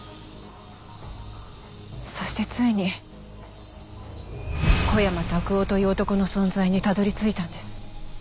そしてついに小山卓夫という男の存在にたどり着いたんです。